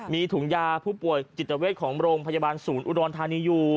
มีถุงยาผู้ป่วยจิตเวทของโรงพยาบาลศูนย์อุดรธานีอยู่